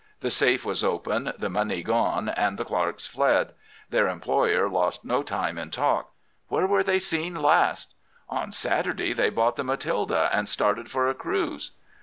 The safe was open, the money gone, and the clerks fled. Their employer lost no time in talk. "'Where were they seen last?' "'On Saturday they bought the Matilda and started for a cruise.